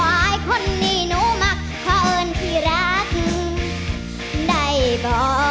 อายคนนี้หนูมักเพราะเอิญที่รักได้บ่